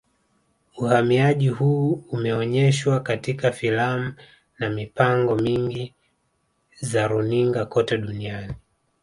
Uhamiaji huu umeonyeshwa katika filamu na mipango mingi za runinga kote duniani